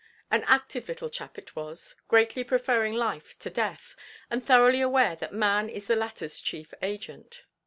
An active little chap it was, greatly preferring life to death, and thoroughly aware that man is the latterʼs chief agent.